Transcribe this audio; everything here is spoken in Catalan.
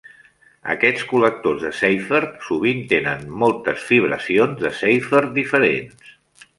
Aquests col·lectors de Seifert sovint tenen moltes fibracions de Seifert diferents.